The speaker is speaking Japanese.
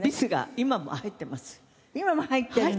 今も入っているの？